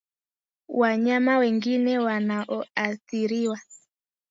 Wanyama wengine wanaoathiriwa